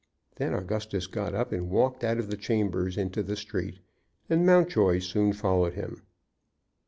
Then Augustus got up and walked out of the chambers into the street, and Mountjoy soon followed him.